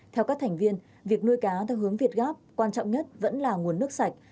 theo các thành viên việc nuôi cá theo hướng việt gáp quan trọng nhất vẫn là nguồn nước sạch